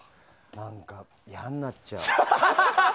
何か、いやになっちゃう。